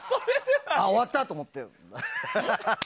あ、終わったと思って。